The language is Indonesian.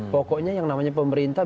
pokoknya yang namanya pemerintah